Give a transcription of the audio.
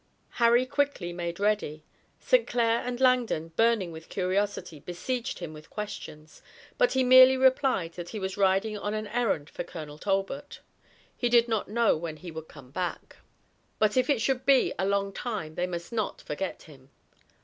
Harry quickly made ready. St. Clair and Langdon, burning with curiosity, besieged him with questions, but he merely replied that he was riding on an errand for Colonel Talbot. He did not know when he would come back, but if it should be a long time they must not forget him.